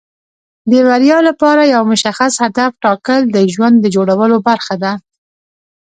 د بریا لپاره یو مشخص هدف ټاکل د ژوند د جوړولو برخه ده.